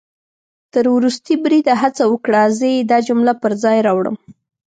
تر ورستي بریده هڅه وکړه، زه يې دا جمله پر ځای راوړم